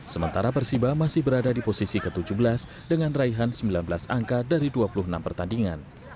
sementara persiba masih berada di posisi ke tujuh belas dengan raihan sembilan belas angka dari dua puluh enam pertandingan